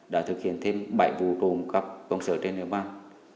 đã thực hiện thêm bảy vụ trộm cắp công sở trên nước bang